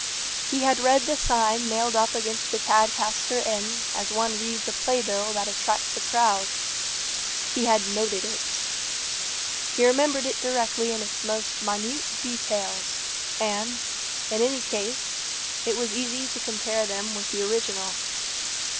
He had read the sign nailed up against the Tadcaster Inn as one reads a play bill that attracts a crowd. He had noted it. He remembered it directly in its most minute details; and, in any case, it was easy to compare them with the original.